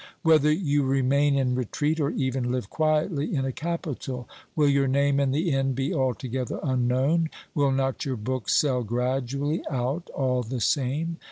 Whether you remain in retreat or even live quietly in a capital, will your name in the end be altogether unknown, will not your book sell gradually out all the same?